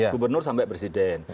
gubernur sampai presiden